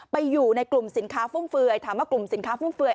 ไปอยู่ในกลุ่มสินค้าฟุ่มเฟือยถามว่ากลุ่มสินค้าฟุ่มเฟือย